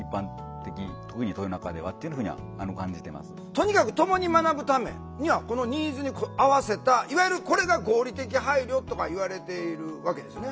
とにかくともに学ぶためにはこのニーズに合わせたいわゆるこれが合理的配慮とかいわれているわけですよね？